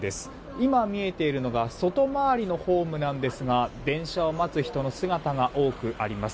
今、見えているのが外回りのホームなんですが電車を待つ人の姿が多くあります。